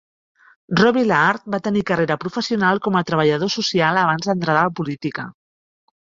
Robillard va tenir carrera professional com a treballador social abans d'entrar a la política.